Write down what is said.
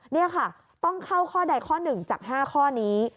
นี่ค่ะต้องเข้าข้อใดข้อ๑จาก๕ข้อนี้